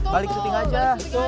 balik syuting aja